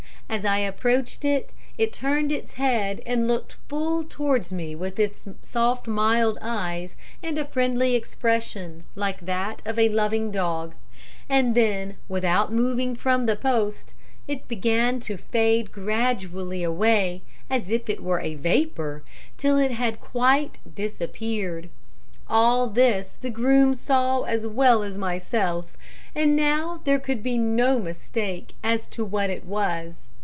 As I approached it turned its head and looked full towards me with its soft mild eyes, and a friendly expression, like that of a loving dog; and then, without moving from the post, it began to fade gradually away, as if it were a vapour, till it had quite disappeared. All this the groom saw as well as myself; and now there could be no mistake as to what it was.